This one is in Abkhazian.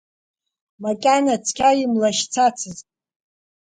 Макьана цқьа имлашьцацызт.